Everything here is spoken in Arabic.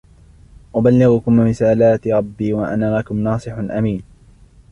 أُبَلِّغُكُمْ رِسَالَاتِ رَبِّي وَأَنَا لَكُمْ نَاصِحٌ أَمِينٌ